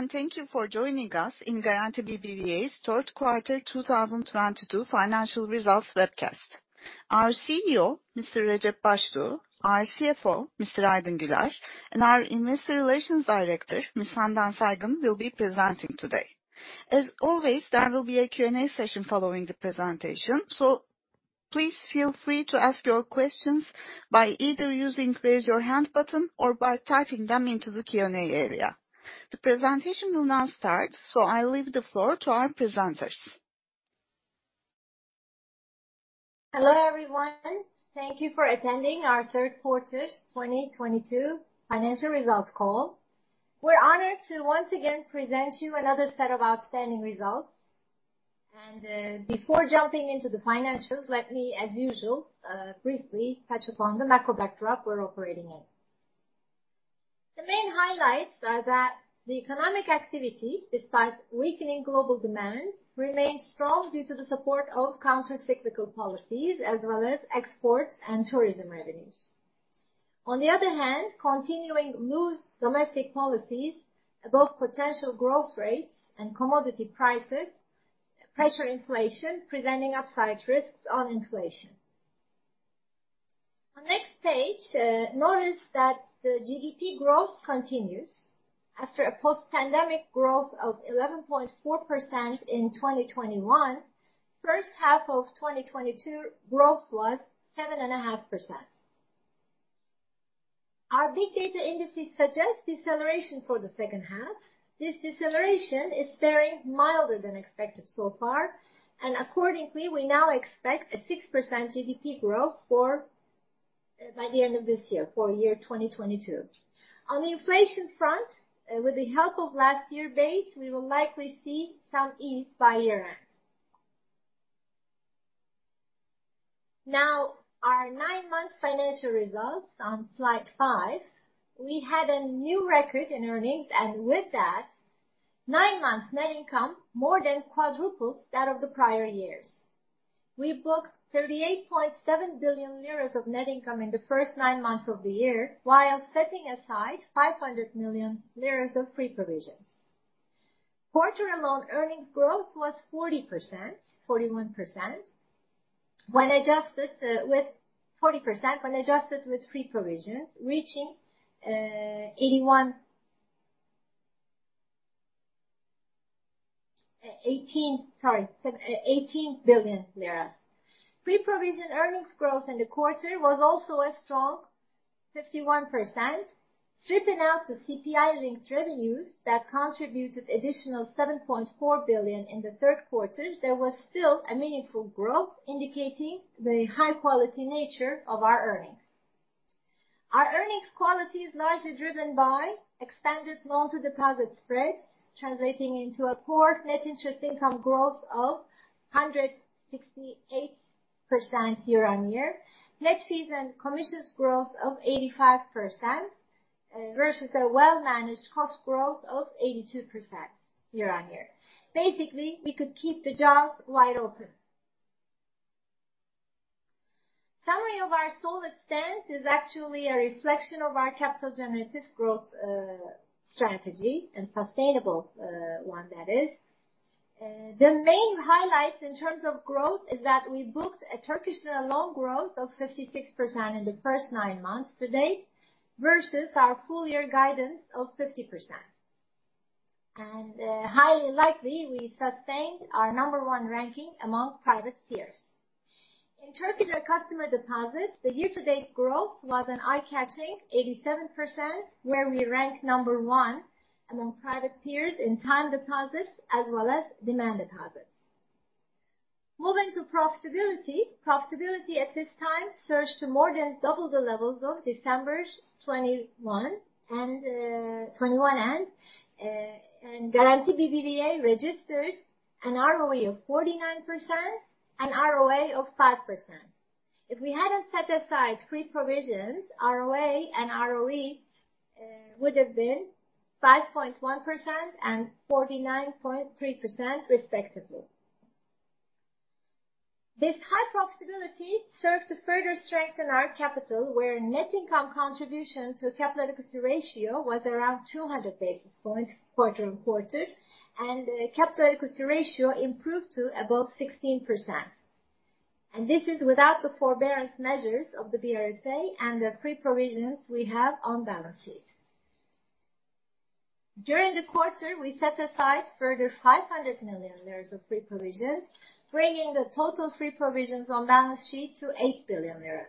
Hello, and thank you for joining us in Garanti BBVA's third quarter 2022 financial results webcast. Our CEO, Mr. Recep Baştuğ, our CFO, Mr. Aydın Güler, and our Investor Relations Director, Ms. Handan Saygın, will be presenting today. As always, there will be a Q&A session following the presentation, so please feel free to ask your questions by either using raise your hand button or by typing them into the Q&A area. The presentation will now start, so I leave the floor to our presenters. Hello, everyone. Thank you for attending our third quarter 2022 financial results call. We're honored to once again present you another set of outstanding results. Before jumping into the financials, let me, as usual, briefly touch upon the macro backdrop we're operating in. The main highlights are that the economic activity, despite weakening global demand, remains strong due to the support of counter-cyclical policies as well as exports and tourism revenues. On the other hand, continuing loose domestic policies above potential growth rates and commodity prices pressure inflation, presenting upside risks on inflation. On next page, notice that the GDP growth continues after a post-pandemic growth of 11.4% in 2021. First half of 2022 growth was 7.5%. Our big data indices suggest deceleration for the second half. This deceleration is faring milder than expected so far, and accordingly, we now expect a 6% GDP growth forecast by the end of this year for 2022. On the inflation front, with the help of last year's base, we will likely see some ease by year-end. Now, our nine-month financial results on slide five. We had a new record in earnings, and with that, nine-month net income more than quadrupled that of the prior years. We booked 38.7 billion lira of net income in the first nine months of the year, while setting aside 500 million lira of free provisions. Quarter alone, earnings growth was 40%, 41%. When adjusted with free provisions, 40%, reaching 18 billion lira. Pre-provision earnings growth in the quarter was also a strong 51%. Stripping out the CPI-linked revenues that contributed additional 7.4 billion in the third quarter, there was still a meaningful growth, indicating the high quality nature of our earnings. Our earnings quality is largely driven by expanded loan-to-deposit spreads, translating into a core net interest income growth of 168% year-on-year. Net fees and commissions growth of 85% versus a well-managed cost growth of 82% year-on-year. Basically, we could keep the jaws wide open. Summary of our solid stance is actually a reflection of our capital generative growth, strategy and sustainable, one that is. The main highlights in terms of growth is that we booked a Turkish lira loan growth of 56% in the first nine months to date versus our full year guidance of 50%. Highly likely we sustained our number one ranking among private peers. In Turkish lira customer deposits, the year-to-date growth was an eye-catching 87%, where we rank number one among private peers in time deposits as well as demand deposits. Moving to profitability. Profitability at this time surged to more than double the levels of December 2021 and 2021 end. Garanti BBVA registered an ROE of 49% and ROA of 5%. If we hadn't set aside free provisions, ROA and ROE would have been 5.1% and 49.3% respectively. This high profitability served to further strengthen our capital, where net income contribution to capital equity ratio was around 200 basis points quarter-on-quarter. Capital equity ratio improved to above 16%. This is without the forbearance measures of the BRSA and the pre-provisions we have on balance sheet. During the quarter, we set aside further 500 million of pre-provisions, bringing the total free provisions on balance sheet to 8 billion.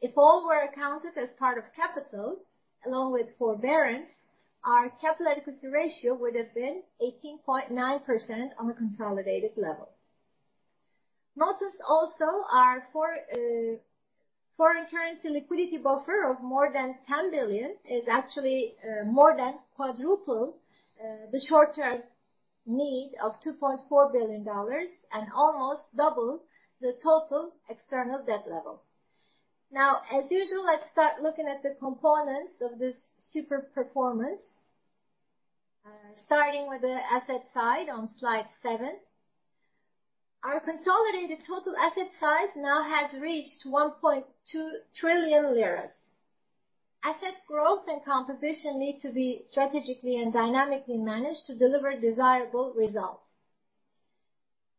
If all were accounted as part of capital along with forbearance, our capital adequacy ratio would have been 18.9% on a consolidated level. Notice also our foreign currency liquidity buffer of more than $10 billion is actually more than quadruple the short-term need of $2.4 billion and almost double the total external debt level. Now, as usual, let's start looking at the components of this super performance. Starting with the asset side on slide seven. Our consolidated total asset size now has reached 1.2 trillion lira. Asset growth and composition need to be strategically and dynamically managed to deliver desirable results.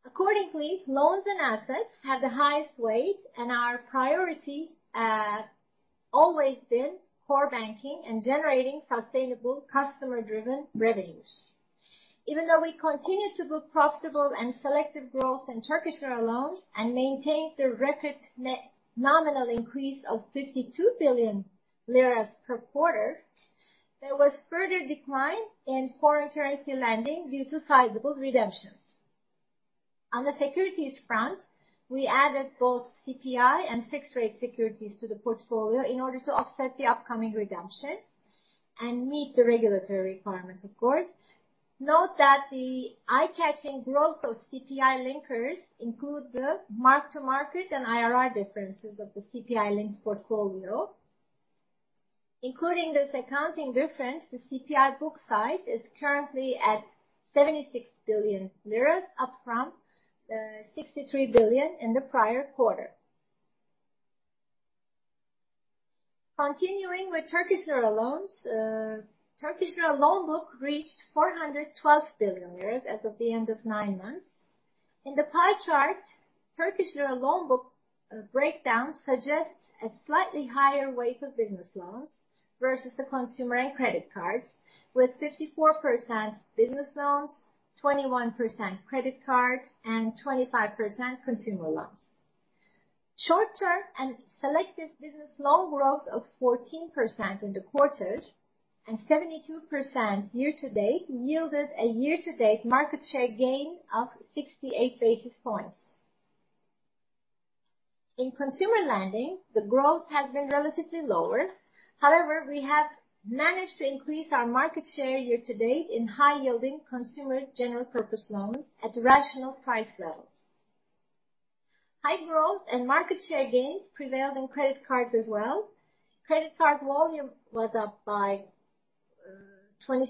Accordingly, loans and assets have the highest weight, and our priority has always been core banking and generating sustainable customer-driven revenues. Even though we continue to book profitable and selective growth in Turkish lira loans and maintain the record net nominal increase of 52 billion lira per quarter, there was further decline in foreign currency lending due to sizable redemptions. On the securities front, we added both CPI and fixed rate securities to the portfolio in order to offset the upcoming redemptions and meet the regulatory requirements, of course. Note that the eye-catching growth of CPI linkers include the mark-to-market and IRR differences of the CPI linked portfolio. Including this accounting difference, the CPI book size is currently at 76 billion lira, up from 63 billion in the prior quarter. Continuing with Turkish lira loans. Turkish lira loan book reached 412 billion lira as of the end of nine months. In the pie chart, Turkish lira loan book breakdown suggests a slightly higher weight of business loans versus the consumer and credit cards, with 54% business loans, 21% credit cards and 25% consumer loans. Short-term and selective business loan growth of 14% in the quarter and 72% year-to-date yielded a year-to-date market share gain of 68 basis points. In consumer lending, the growth has been relatively lower. However, we have managed to increase our market share year-to-date in high-yielding consumer general purpose loans at rational price levels. High growth and market share gains prevailed in credit cards as well. Credit card volume was up by 27%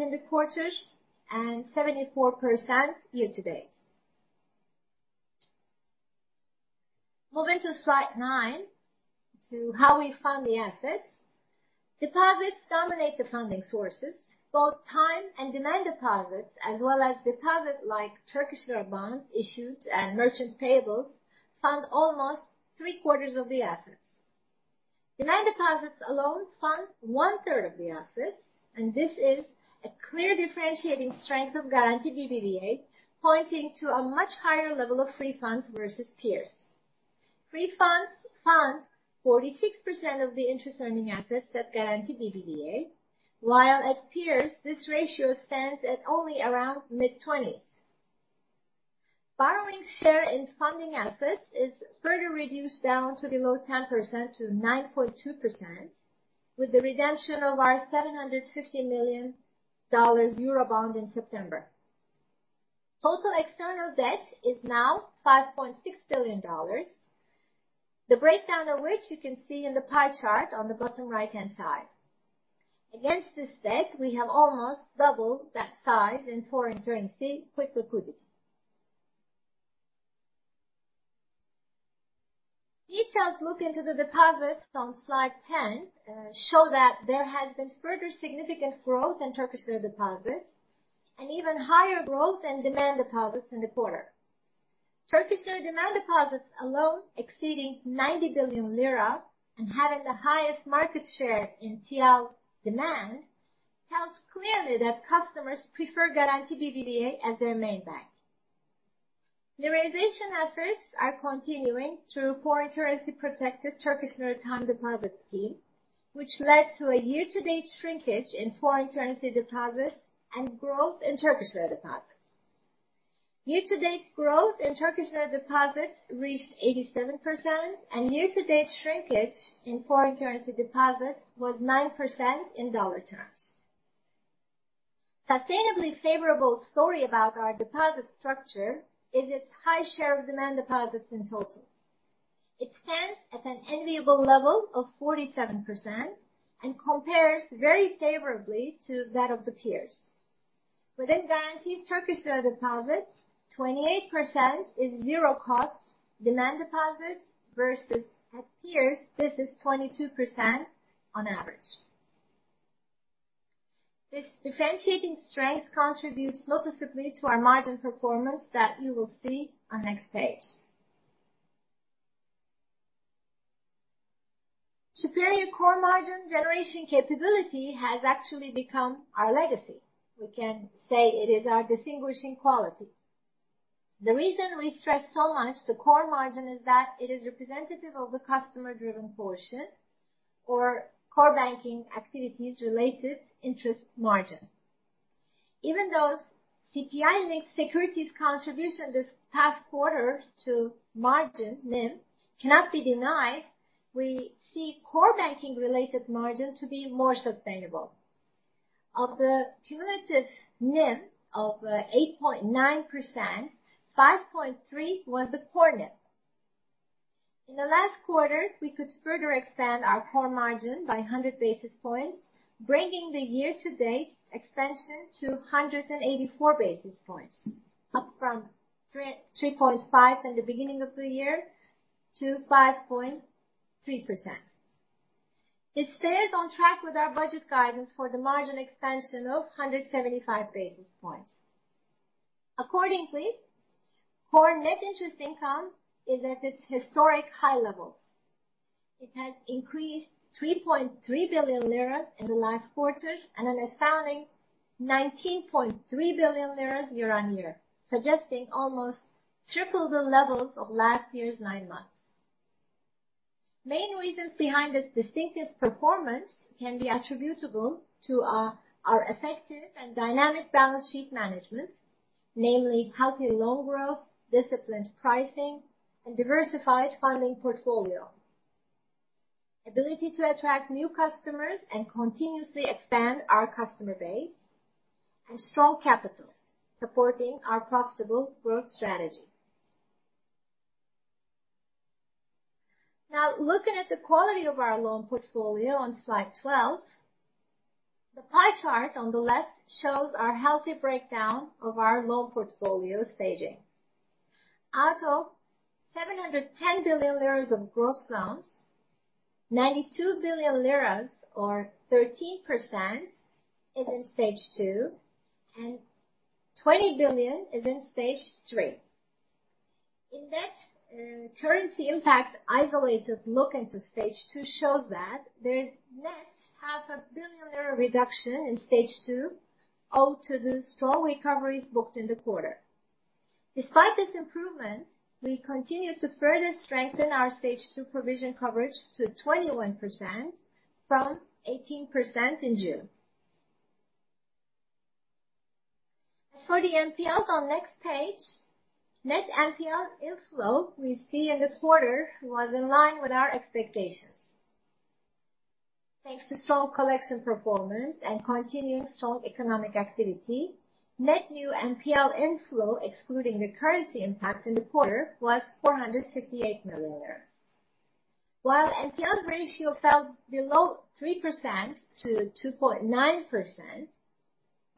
in the quarter and 74% year-to-date. Moving to slide nine, to how we fund the assets. Deposits dominate the funding sources, both time and demand deposits, as well as deposit-like Turkish lira bonds issued and merchant payables fund almost 3/4 of the assets. Demand deposits alone fund 1/3 of the assets, and this is a clear differentiating strength of Garanti BBVA, pointing to a much higher level of free funds versus peers. Free funds fund 46% of the interest-earning assets at Garanti BBVA, while at peers this ratio stands at only around mid-20s. Borrowing share in funding assets is further reduced down to below 10%-9.2% with the redemption of our $750 million Eurobond in September. Total external debt is now $5.6 billion. The breakdown of which you can see in the pie chart on the bottom right-hand side. Against this debt, we have almost double that size in foreign currency with liquidity. Let's look into the deposits on slide 10, which show that there has been further significant growth in Turkish lira deposits and even higher growth in demand deposits in the quarter. Turkish lira demand deposits alone exceeding 90 billion lira and having the highest market share in TL demand tells clearly that customers prefer Garanti BBVA as their main bank. Liraization efforts are continuing through foreign currency protected Turkish lira time deposit scheme, which led to a year-to-date shrinkage in foreign currency deposits and growth in Turkish lira deposits. Year-to-date growth in Turkish lira deposits reached 87% and year-to-date shrinkage in foreign currency deposits was 9% in dollar terms. Sustainably favorable story about our deposit structure is its high share of demand deposits in total. It stands at an enviable level of 47% and compares very favorably to that of the peers. Within Garanti's Turkish lira deposits, 28% is zero cost demand deposits versus at peers, this is 22% on average. This differentiating strength contributes noticeably to our margin performance that you will see on next page. Superior core margin generation capability has actually become our legacy. We can say it is our distinguishing quality. The reason we stress so much the core margin is that it is representative of the customer-driven portion or core banking activities related interest margin. Even though CPI-linked securities contribution this past quarter to margin NIM cannot be denied, we see core banking related margin to be more sustainable. Of the cumulative NIM of 8.9%, 5.3% was the core NIM. In the last quarter, we could further expand our core margin by 100 basis points, bringing the year-to-date expansion to 184 basis points, up from three point five in the beginning of the year to 5.3%. It stays on track with our budget guidance for the margin expansion of 175 basis points. Accordingly, core net interest income is at its historic high levels. It has increased 3.3 billion lira in the last quarter, and an astounding 19.3 billion lira year-on-year, suggesting almost triple the levels of last year's nine months. Main reasons behind this distinctive performance can be attributable to our effective and dynamic balance sheet management, namely healthy loan growth, disciplined pricing, and diversified funding portfolio. Ability to attract new customers and continuously expand our customer base and strong capital supporting our profitable growth strategy. Now, looking at the quality of our loan portfolio on slide 12. The pie chart on the left shows our healthy breakdown of our loan portfolio staging. Out of 710 billion lira of gross loans, 92 billion lira or 13% is in Stage 2, and 20 billion is in Stage 3. In that, currency impact isolated look into Stage 2 shows that there is net 0.5 billion reduction in Stage 2 owed to the strong recoveries booked in the quarter. Despite this improvement, we continue to further strengthen our Stage 2 provision coverage to 21% from 18% in June. As for the NPLs on next page, net NPL inflow we see in the quarter was in line with our expectations. Thanks to strong collection performance and continued strong economic activity, net new NPL inflow, excluding the currency impact in the quarter, was TRY 458 million. While NPL ratio fell below 3%-2.9%,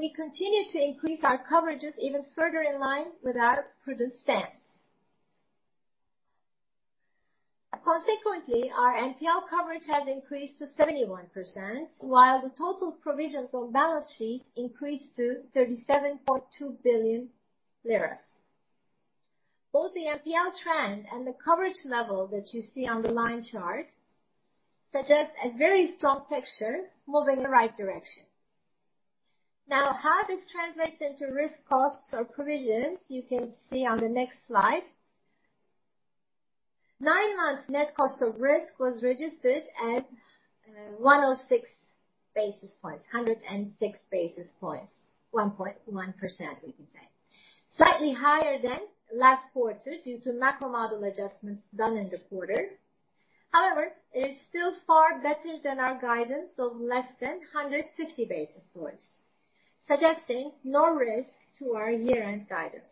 we continue to increase our coverages even further in line with our prudent stance. Consequently, our NPL coverage has increased to 71%, while the total provisions on balance sheet increased to 37.2 billion lira. Both the NPL trend and the coverage level that you see on the line chart suggest a very strong picture moving in the right direction. Now, how this translates into risk costs or provisions, you can see on the next slide. Nine months net cost of risk was registered at 106 basis points, 106 basis points, 1.1%, we can say. Slightly higher than last quarter due to macro model adjustments done in the quarter. However, it is still far better than our guidance of less than 150 basis points, suggesting no risk to our year-end guidance.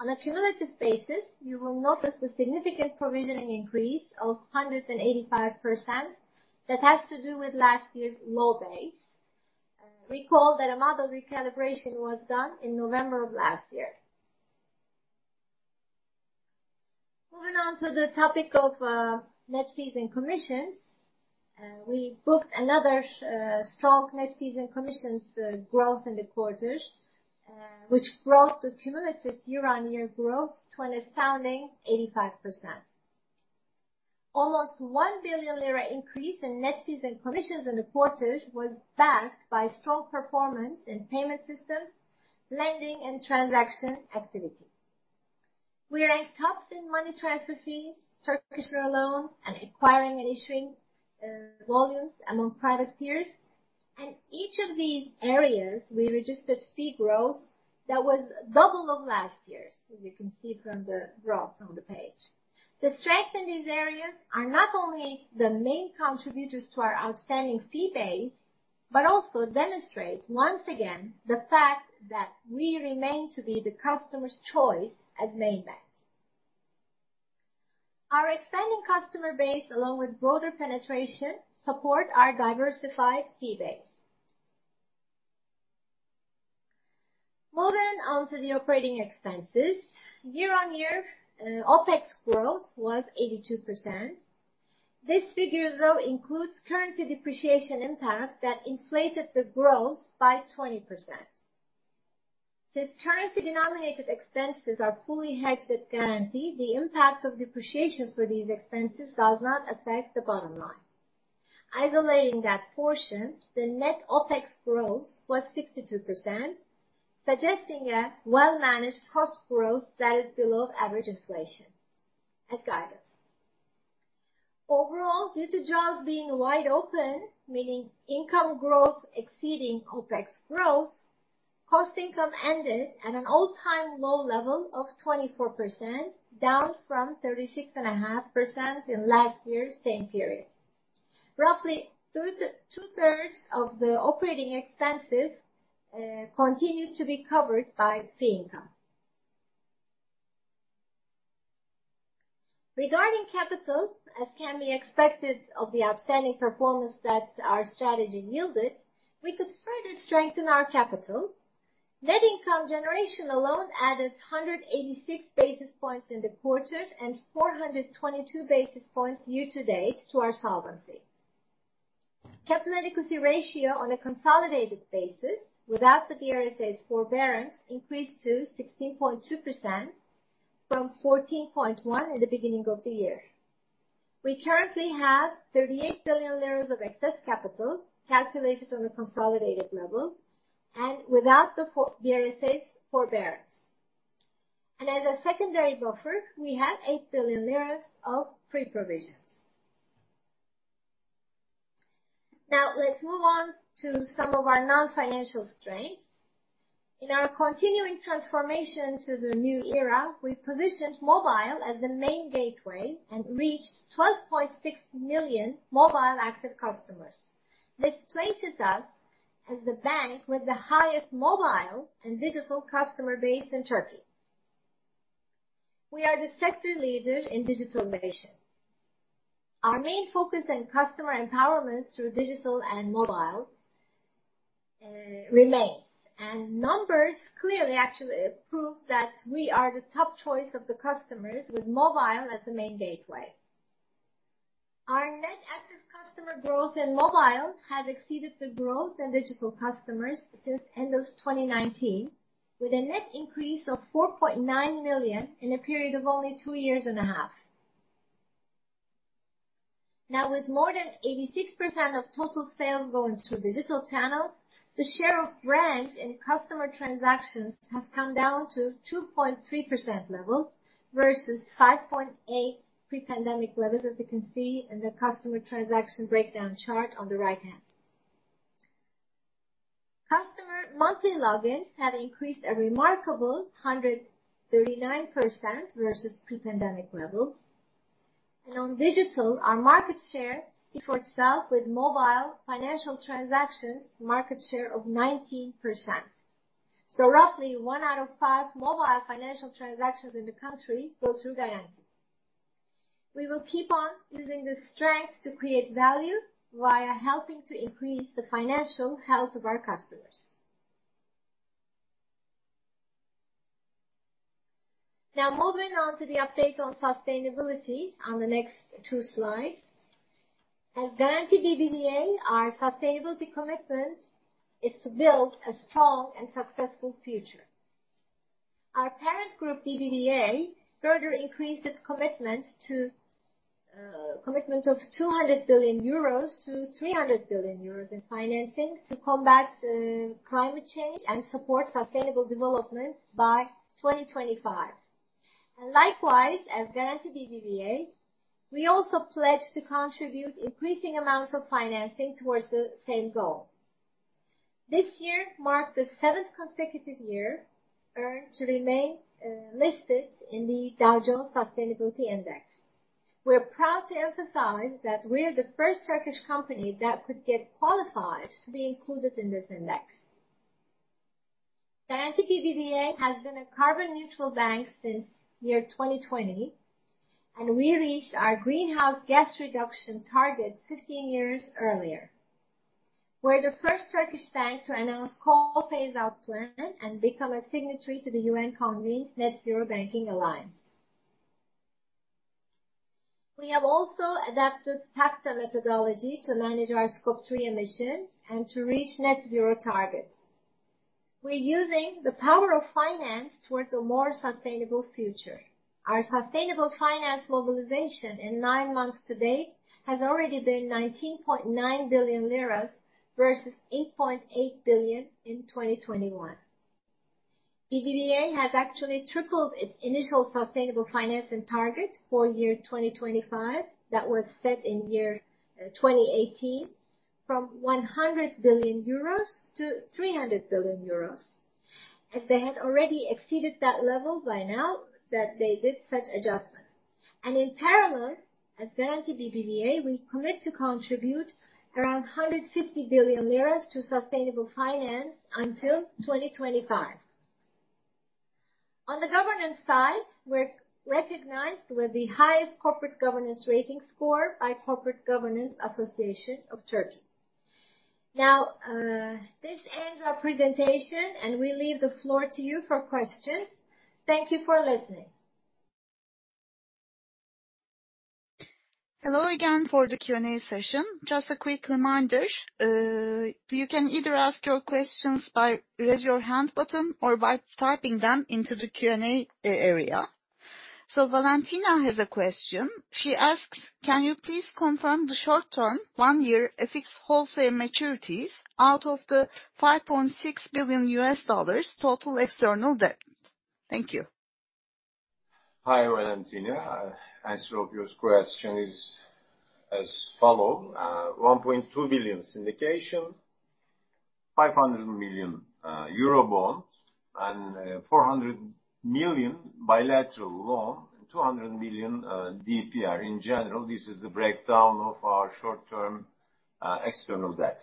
On a cumulative basis, you will notice the significant provisioning increase of 185% that has to do with last year's low base. Recall that a model recalibration was done in November of last year. Moving on to the topic of net fees and commissions. We booked another strong net fees and commissions growth in the quarter, which brought the cumulative year-on-year growth to an astounding 85%. Almost 1 billion lira increase in net fees and commissions in the quarter was backed by strong performance in payment systems, lending, and transaction activity. We rank tops in money transfer fees, Turkish lira loans, and acquiring and issuing volumes among private peers. In each of these areas, we registered fee growth that was double of last year, as you can see from the graph on the page. The strength in these areas are not only the main contributors to our outstanding fee base, but also demonstrate, once again, the fact that we remain to be the customer's choice as main bank. Our expanding customer base along with broader penetration support our diversified fee base. Moving on to the operating expenses. Year-on-year, OpEx growth was 82%. This figure, though, includes currency depreciation impact that inflated the growth by 20%. Since currency-denominated expenses are fully hedged at Garanti, the impact of depreciation for these expenses does not affect the bottom line. Isolating that portion, the net OpEx growth was 62%, suggesting a well-managed cost growth that is below average inflation as guided. Overall, due to jaws being wide open, meaning income growth exceeding OpEx growth, cost income ended at an all-time low level of 24%, down from 36.5% in last year's same period. Roughly two-thirds of the operating expenses continue to be covered by fee income. Regarding capital, as can be expected of the outstanding performance that our strategy yielded, we could further strengthen our capital. Net income generation alone added 186 basis points in the quarter and 422 basis points year-to-date to our solvency. Capital adequacy ratio on a consolidated basis without the BRSA's forbearance increased to 16.2% from 14.1% at the beginning of the year. We currently have 38 billion of excess capital calculated on a consolidated level and without the BRSA's forbearance. As a secondary buffer, we have 8 billion lira of pre-provisions. Now let's move on to some of our non-financial strengths. In our continuing transformation to the new era, we positioned mobile as the main gateway and reached 12.6 million mobile active customers. This places us as the bank with the highest mobile and digital customer base in Turkey. We are the sector leader in digital innovation. Our main focus and customer empowerment through digital and mobile remains. Numbers clearly actually prove that we are the top choice of the customers with mobile as the main gateway. Our net active customer growth in mobile has exceeded the growth in digital customers since end of 2019, with a net increase of 4.9 million in a period of only two years and a half. Now with more than 86% of total sales going through digital channels, the share of branch in customer transactions has come down to 2.3% level versus 5.8% pre-pandemic levels, as you can see in the customer transaction breakdown chart on the right hand. Customer monthly logins have increased a remarkable 139% versus pre-pandemic levels. On digital, our market share speak for itself with mobile financial transactions market share of 19%. Roughly one out of five mobile financial transactions in the country go through Garanti. We will keep on using this strength to create value via helping to increase the financial health of our customers. Now moving on to the update on sustainability on the next two slides. At Garanti BBVA, our sustainability commitment is to build a strong and successful future. Our parent group, BBVA, further increased its commitment of 200 billion-300 billion euros in financing to combat climate change and support sustainable development by 2025. Likewise, at Garanti BBVA, we also pledge to contribute increasing amounts of financing towards the same goal. This year marked the seventh consecutive year earned to remain listed in the Dow Jones Sustainability Index. We're proud to emphasize that we're the first Turkish company that could get qualified to be included in this index. Garanti BBVA has been a carbon neutral bank since 2020, and we reached our greenhouse gas reduction target 15 years earlier. We're the first Turkish bank to announce coal phase out plan and become a signatory to the UN-convened Net-Zero Banking Alliance. We have also adapted PACTA methodology to manage our Scope 3 emissions and to reach net zero targets. We're using the power of finance towards a more sustainable future. Our sustainable finance mobilization in nine months to date has already been 19.9 billion lira versus 8.8 billion in 2021. BBVA has actually tripled its initial sustainable financing target for 2025 that was set in 2018 from 100 billion-300 billion euros, as they had already exceeded that level by now that they did such adjustment. In parallel, at Garanti BBVA, we commit to contribute around 150 billion lira to sustainable finance until 2025. On the governance side, we're recognized with the highest corporate governance rating score by Corporate Governance Association of Türkiye. Now, this ends our presentation, and we leave the floor to you for questions. Thank you for listening. Hello again for the Q&A session. Just a quick reminder, you can either ask your questions by Raise Your Hand button or by typing them into the Q&A area. Valentina has a question. She asks, can you please confirm the short-term one-year FX wholesale maturities out of the $5.6 billion total external debt? Thank you. Hi, Valentina. Answer of your question is as follow. 1.2 billion syndication 500 million euro Eurobonds and 400 million bilateral loan, 200 million DPR. In general, this is the breakdown of our short-term external debt.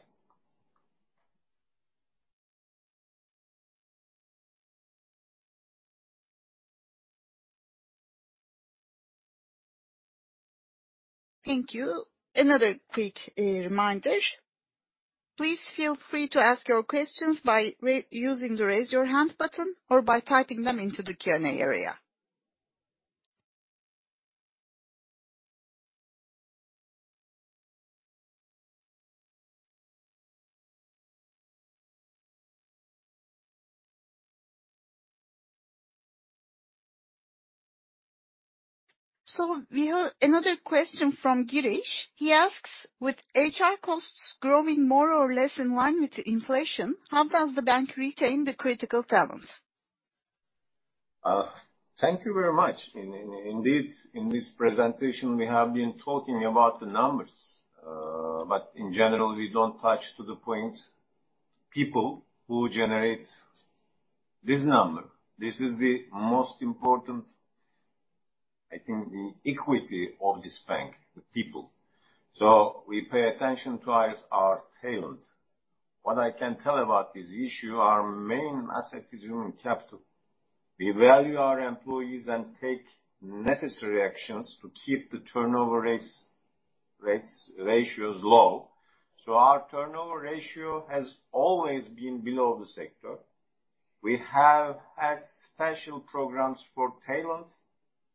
Thank you. Another quick reminder. Please feel free to ask your questions by using the Raise Your Hand button or by typing them into the Q&A area. We have another question from Girish. He asks, with HR costs growing more or less in line with inflation, how does the bank retain the critical talent? Thank you very much. Indeed, in this presentation, we have been talking about the numbers. But in general, we don't touch to the point, people who generate this number. This is the most important, I think, the equity of this bank, the people. We pay attention to our talent. What I can tell about this issue, our main asset is human capital. We value our employees and take necessary actions to keep the turnover rates ratios low. Our turnover ratio has always been below the sector. We have had special programs for talent,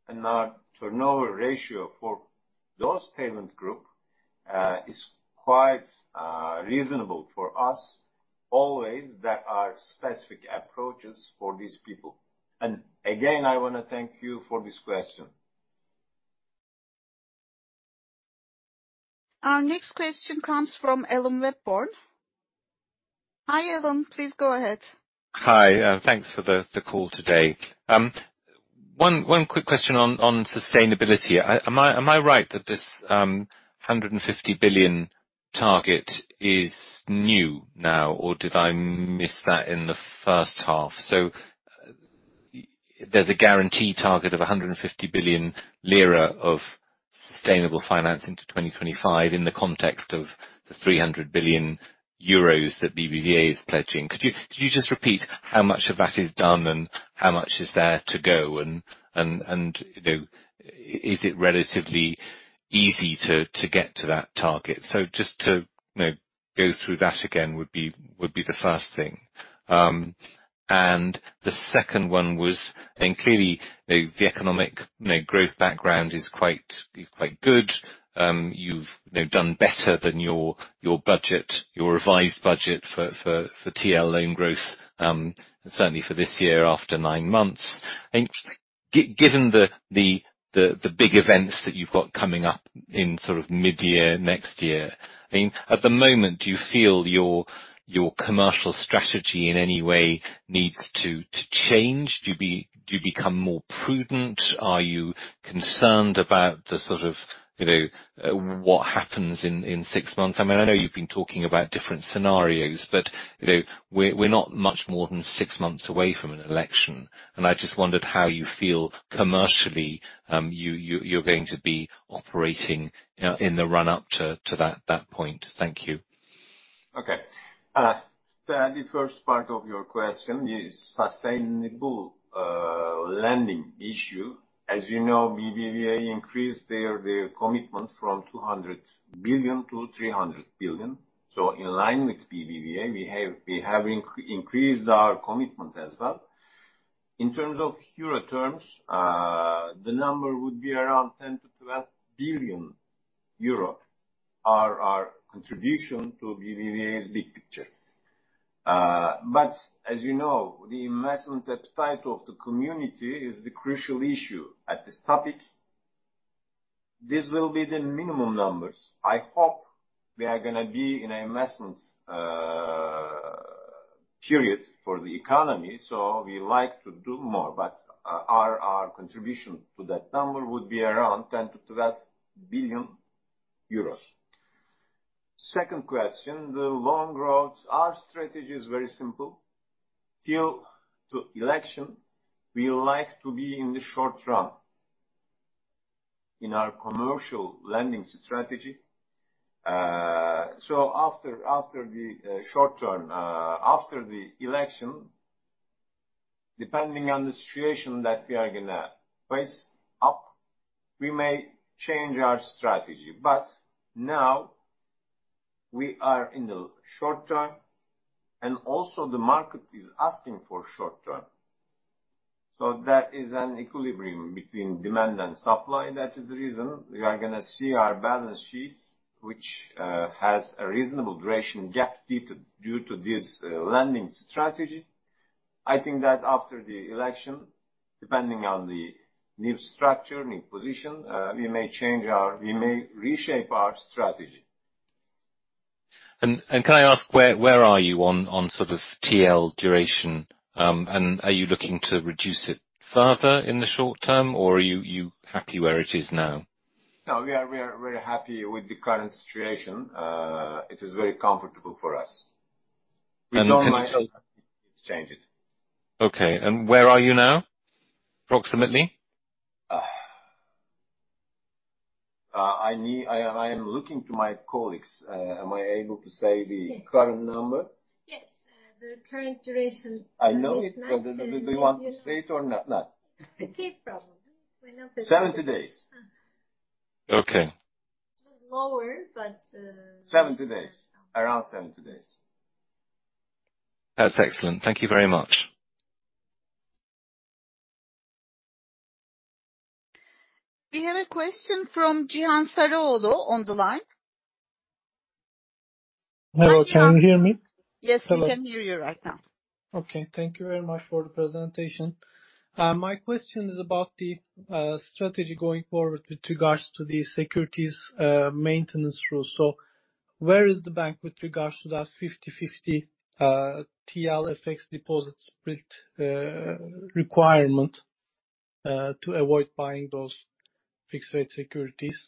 and our turnover ratio for those talent group is quite reasonable for us. Always, there are specific approaches for these people. Again, I wanna thank you for this question. Our next question comes from Alan Webborn. Hi, Alan, please go ahead. Hi, thanks for the call today. One quick question on sustainability. Am I right that this 150 billion target is new now, or did I miss that in the first half? There's a Garanti target of 150 billion lira of sustainable finance into 2025 in the context of the 300 billion euros that BBVA is pledging. Could you just repeat how much of that is done and how much is there to go? And you know, is it relatively easy to get to that target? Just to you know go through that again would be the first thing. The second one was, clearly, the economic you know growth background is quite good. You've, you know, done better than your revised budget for TL loan growth, certainly for this year after nine months. Given the big events that you've got coming up in sort of mid-year next year, I mean, at the moment, do you feel your commercial strategy in any way needs to change? Do you become more prudent? Are you concerned about the sort of, you know, what happens in six months? I mean, I know you've been talking about different scenarios, but, you know, we're not much more than six months away from an election, and I just wondered how you feel commercially, you're going to be operating in the run-up to that point. Thank you. The first part of your question is sustainable lending issue. As you know, BBVA increased their commitment from 200 billion to 300 billion. In line with BBVA, we have increased our commitment as well. In terms of euro terms, the number would be around 10 billion-12 billion euro, our contribution to BBVA's big picture. But as you know, the investment appetite of the community is the crucial issue at this topic. This will be the minimum numbers. I hope we are gonna be in an investment period for the economy, so we like to do more, but our contribution to that number would be around 10 billion-12 billion euros. Second question, the loan growth. Our strategy is very simple. Until the election, we like to be in the short term in our commercial lending strategy. After the short term after the election, depending on the situation that we are gonna face, we may change our strategy. Now we are in the short term, and also the market is asking for short term. That is an equilibrium between demand and supply. That is the reason we are gonna see our balance sheets, which has a reasonable duration gap due to this lending strategy. I think that after the election, depending on the new structure, new position, we may reshape our strategy. Can I ask where you are on sort of TL duration? Are you looking to reduce it further in the short term, or are you happy where it is now? No, we are very happy with the current situation. It is very comfortable for us. Can you tell? We don't mind to change it. Okay. Where are you now, approximately? I am looking to my colleagues. Am I able to say the- Yes. Current number? Yes. The current duration- I know it. Do you want me to say it or not? It's a key problem. 70 days. Ah. Okay. Lower but 70 days. Around 70 days. That's excellent. Thank you very much. We have a question from Cihan Saraçoğlu on the line. Hello. Can you hear me? Yes, we can hear you right now. Okay. Thank you very much for the presentation. My question is about the strategy going forward with regards to the securities maintenance rule. Where is the bank with regards to that 50/50 TL/FX deposit split requirement to avoid buying those fixed rate securities?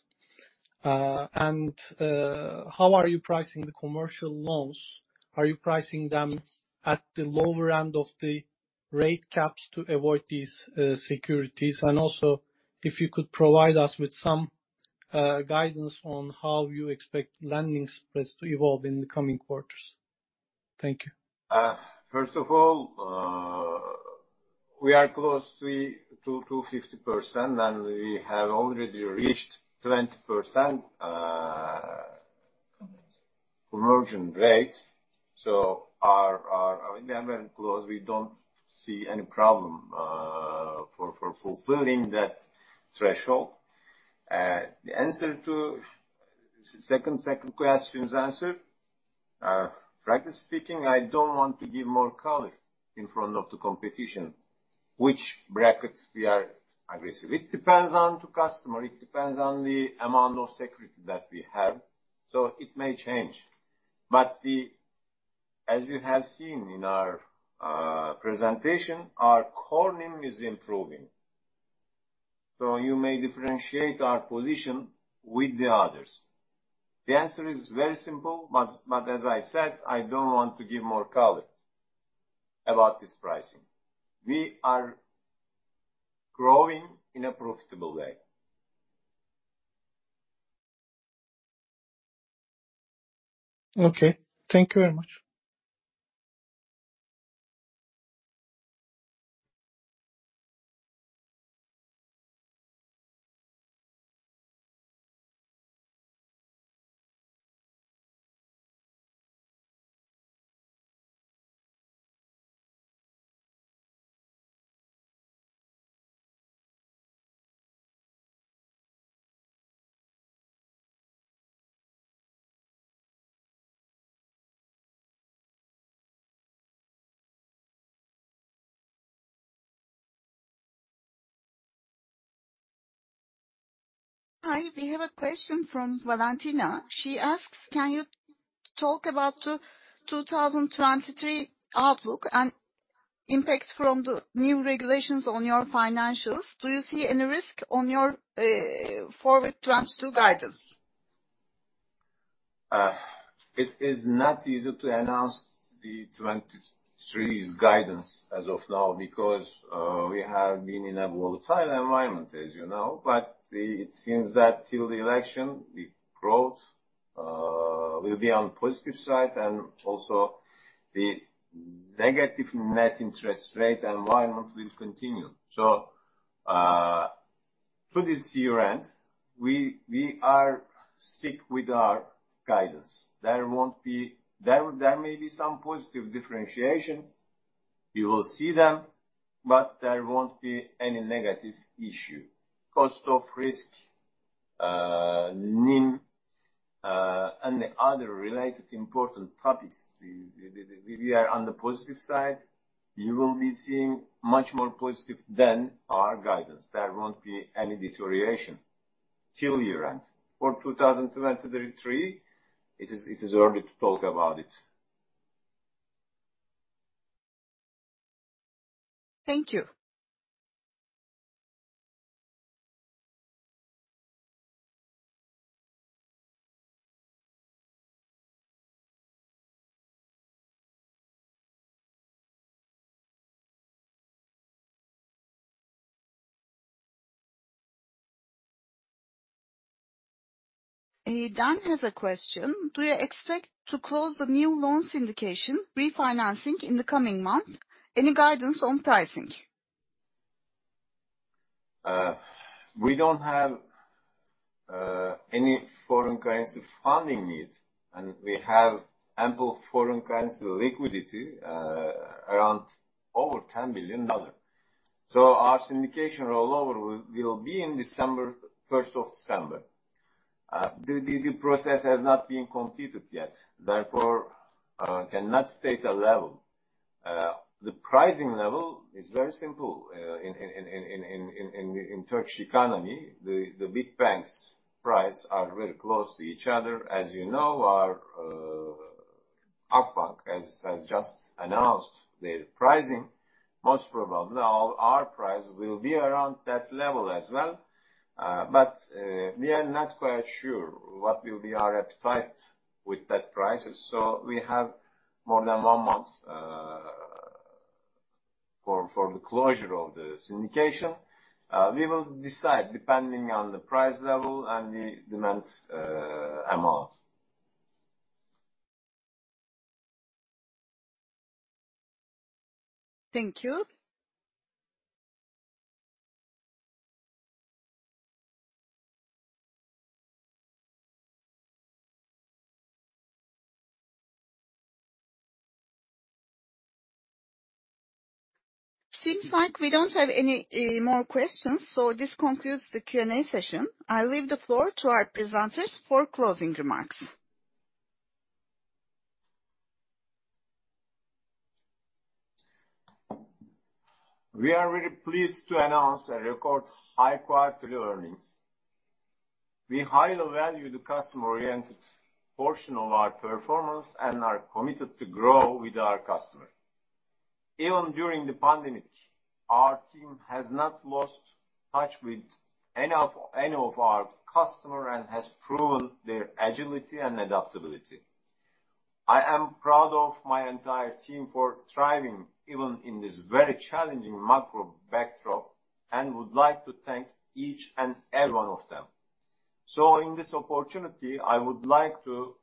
And how are you pricing the commercial loans? Are you pricing them at the lower end of the rate caps to avoid these securities? And also, if you could provide us with some guidance on how you expect lending spreads to evolve in the coming quarters. Thank you. First of all, we are close to 50%, and we have already reached 20%. Conversion. Conversion rate. Our intent close, we don't see any problem for fulfilling that threshold. The answer to second question is answered. Frankly speaking, I don't want to give more color in front of the competition, which brackets we are aggressive. It depends on to customer. It depends on the amount of security that we have. So it may change. But we... As you have seen in our presentation, our core NIM is improving. So you may differentiate our position with the others. The answer is very simple. But as I said, I don't want to give more color about this pricing. We are growing in a profitable way. Okay. Thank you very much. Hi. We have a question from Valentina. She asks, can you talk about the 2023 outlook and impact from the new regulations on your financials? Do you see any risk on your forward 2022 guidance? It is not easy to announce the 2023's guidance as of now because we have been in a volatile environment, as you know. It seems that till the election, the growth will be on positive side and also the negative net interest rate environment will continue. To this year end, we are sticking with our guidance. There may be some positive differentiation. You will see them, but there won't be any negative issue. Cost of risk, NIM, and the other related important topics, we are on the positive side. You will be seeing much more positive than our guidance. There won't be any deterioration till year end. For 2023, it is early to talk about it. Thank you. Dan has a question. Do you expect to close the new loan syndication refinancing in the coming month? Any guidance on pricing? We don't have any foreign currency funding needs, and we have ample foreign currency liquidity around over $10 billion. Our syndication rollover will be in December, first of December. The process has not been completed yet, therefore cannot state a level. The pricing level is very simple. In Turkish economy, the big banks' price are very close to each other. As you know, Akbank has just announced their pricing. Most probably our price will be around that level as well. We are not quite sure what will be our appetite with that prices. We have more than one month for the closure of the syndication. We will decide depending on the price level and the demand amount. Thank you. Seems like we don't have any more questions, so this concludes the Q&A session. I leave the floor to our presenters for closing remarks. We are really pleased to announce a record high quarterly earnings. We highly value the customer-oriented portion of our performance and are committed to grow with our customer. Even during the pandemic, our team has not lost touch with any of our customer and has proven their agility and adaptability. I am proud of my entire team for thriving even in this very challenging macro backdrop, and would like to thank each and every one of them. In this opportunity, I would like to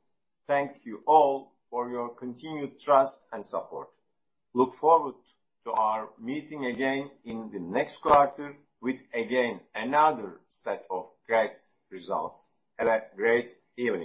thank you all for your continued trust and support. Look forward to our meeting again in the next quarter with again another set of great results. Have a great evening.